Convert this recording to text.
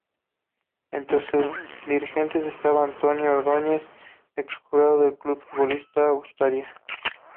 Entre sus dirigentes estaba Antonio Ordóñez, exjugador del Club de Fútbol Asturias.